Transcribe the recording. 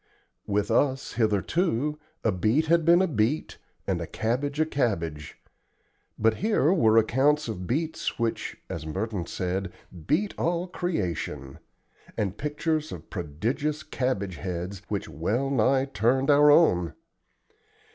With us, hitherto, a beet had been a beet, and a cabbage a cabbage; but here were accounts of beets which, as Merton said, "beat all creation," and pictures of prodigious cabbage heads which well nigh turned our own.